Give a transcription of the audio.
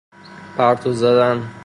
پرتو زدن